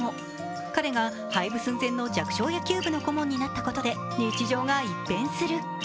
彼が、廃部寸前の弱小野球部の顧問になったことで日常が一変する。